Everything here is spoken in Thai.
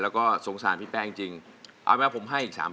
แล้วก็สงสารพี่แป๊งจริงเอาไหมว่าผมให้อีก๓๐๐๐ละกัน